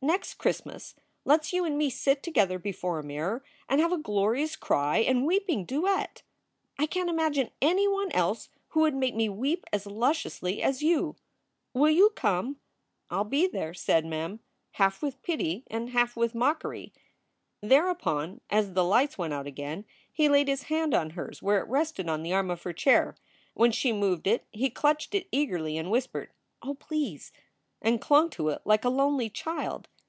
Next Christmas let s you and me sit together before a mirror and have a glorious cry and weeping duet. I can t imagine anyone else who would make me weep as lusciously as you. Will you come?" "I ll be there," said Mem, half with pity and half with mockery. Thereupon, as the lights went out again, he laid his hand on hers where it rested on the arm of her chair. When she moved it he clutched it eagerly and whispered, "Oh, please!" and clung to it like a lonely child.